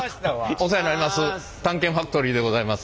お世話になります。